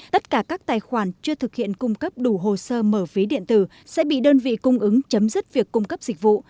tất cả các tài khoản chưa thực hiện cung cấp đủ hồ sơ mở ví điện tử sẽ bị đơn vị cung ứng chấm dứt việc cung cấp dịch vụ